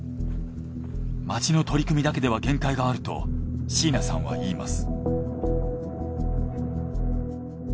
町の取り組みだけでは限界があると椎名さんは言います。